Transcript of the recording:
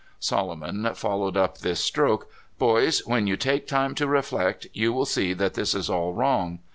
Solomon fol lowed up this stroke: " Boys, when you take time to reflect, you will see that this is all wrong.